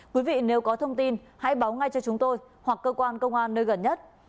quý vị nếu có thông tin hãy báo ngay cho chúng tôi hoặc cơ quan công an nơi gần nhất